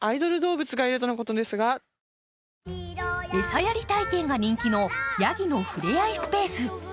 餌やり体験が人気のやぎの触れ合いスペース。